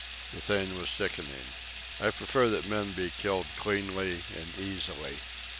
The thing was sickening. I prefer that men be killed cleanly and easily.